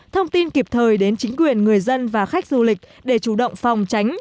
thông tin kịp thời đến chính quyền người dân và khách du lịch để chủ động phòng tránh